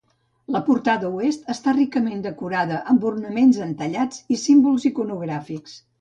La portada oest està ricament decorada amb ornaments entallats i símbols iconogràfics.